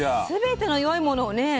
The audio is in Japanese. すべての良いものをね